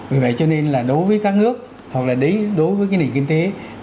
vì vậy cho nên là đối với các nước hoặc là đối với cái nền kinh tế